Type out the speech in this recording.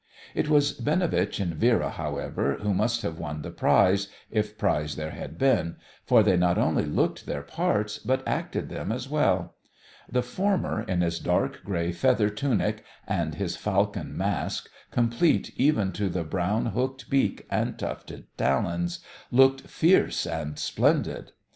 It was Binovitch and Vera, however, who must have won the prize, if prize there had been, for they not only looked their parts, but acted them as well. The former in his dark grey feather tunic, and his falcon mask, complete even to the brown hooked beak and tufted talons, looked fierce and splendid.